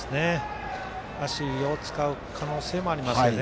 足を使う可能性もありますね。